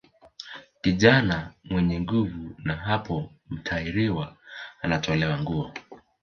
Kijana mwenye nguvu na hapo mtahiriwa anatolewa nguo